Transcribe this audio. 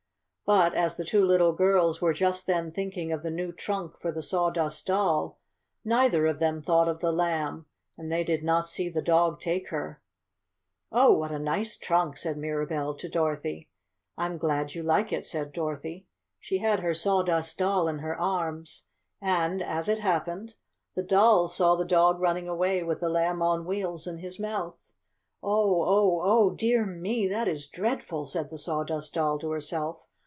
But as the two little girls were just then thinking of the new trunk for the Sawdust Doll, neither of them thought of the Lamb, and they did not see the dog take her. "Oh, what a nice trunk!" said Mirabell to Dorothy. "I'm glad you like it," said Dorothy. She had her Sawdust Doll in her arms, and, as it happened, the Doll saw the dog running away with the Lamb on Wheels in his mouth. "Oh! Oh! Oh, dear me! That is dreadful!" said the Sawdust Doll to herself.